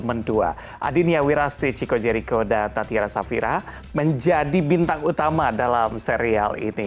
mentua adinia wirastri chico jericho dan tatyara safira menjadi bintang utama dalam serial ini